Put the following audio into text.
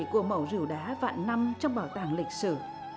của mẩu rìu đá vạn năm trong bảo tàng lịch sử